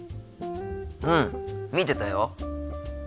うん見てたよ。